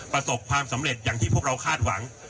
ประสบความสำเร็จอย่างที่พวกเราคาดหวัง